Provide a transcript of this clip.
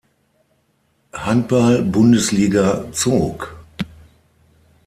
Handball-Bundesliga zog.